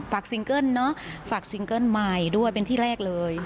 ซิงเกิ้ลเนอะฝากซิงเกิ้ลใหม่ด้วยเป็นที่แรกเลย